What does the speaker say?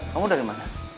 kamu dari mana